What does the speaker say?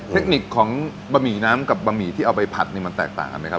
เทคนิคของบะหมี่น้ำกับบะหมี่ที่เอาไปผัดนี่มันแตกต่างกันไหมครับ